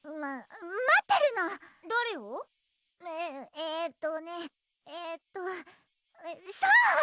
ええーっとねえーっとそう！